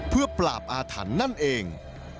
เพื่อปราบอาถรรพ์นั่นเอง